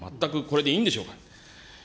全くこれでいいんでしょうか。